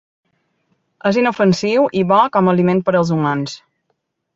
És inofensiu i bo com a aliment per als humans.